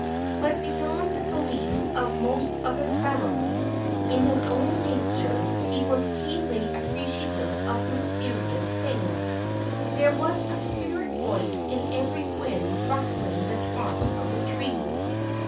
But beyond the beliefs of most of his fellows, in his own nature he was keenly appreciative of mysterious things. There was a spirit voice in every wind rustling the tops of the trees.